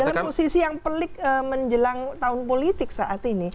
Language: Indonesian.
dalam posisi yang pelik menjelang tahun politik saat ini